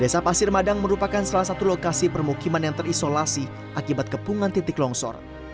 desa pasir madang merupakan salah satu lokasi permukiman yang terisolasi akibat kepungan titik longsor